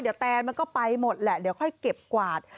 เดี๋ยวแตนมันก็ไปหมดแหละเดี๋ยวค่อยเก็บกวาด